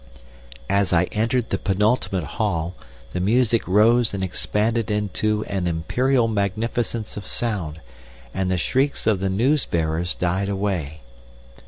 "As I entered the penultimate hall the music rose and expanded into an imperial magnificence of sound, and the shrieks of the news bearers died away....